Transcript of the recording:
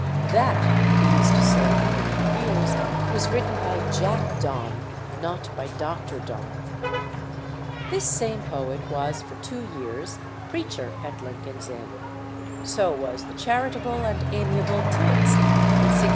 "That," he used to say in later years, "was written by Jack Donne, not by Dr. Donne." This same poet was for two years preacher at Lincoln's Inn; so was the charitable and amiable Tillotson in 1663.